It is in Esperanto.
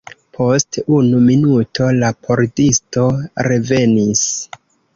Post unu minuto la pordisto revenis.